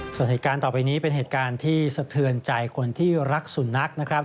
ส่วนเหตุการณ์ต่อไปนี้เป็นเหตุการณ์ที่สะเทือนใจคนที่รักสุนัขนะครับ